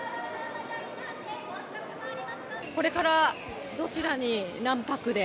これからどちらに、何泊で？